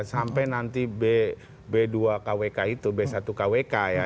sampai nanti b dua kwk itu b satu kwk ya